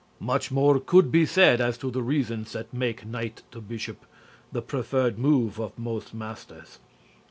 Much more could be said as to the reasons that make Kt B the preferred move of most masters....